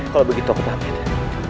kalau begitu aku berhati hati